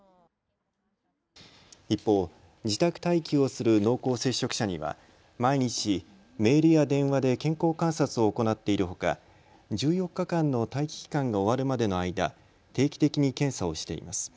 一方、自宅待機をする濃厚接触者には毎日、メールや電話で健康観察を行っているほか１４日間の待機期間が終わるまでの間、定期的に検査をしています。